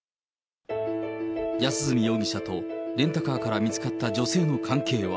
安栖容疑者とレンタカーから見つかった女性の関係は。